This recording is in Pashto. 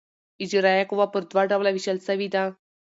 اجرائیه قوه پر دوه ډوله وېشل سوې ده.